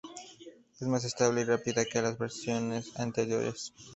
Es más estable y rápida que las versiones anteriores.